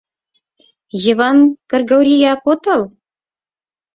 — Йыван Кыргорияк отыл?